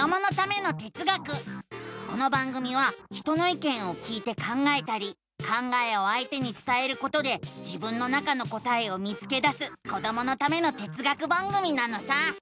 この番組は人のいけんを聞いて考えたり考えをあいてにつたえることで自分の中の答えを見つけだすこどものための哲学番組なのさ！